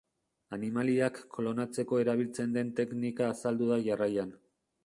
Animaliak klonatzeko erabiltzen den teknika azalduko da jarraian.